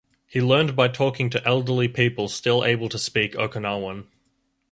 He learned by talking to elderly people still able to speak Okinawan.